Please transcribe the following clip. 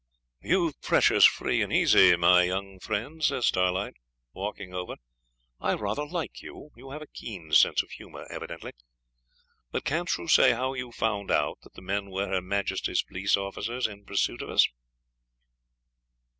'You're precious free and easy, my young friend,' says Starlight, walking over. 'I rather like you. You have a keen sense of humour, evidently; but can't you say how you found out that the men were her Majesty's police officers in pursuit of us?'